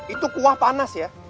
itu kuah panas ya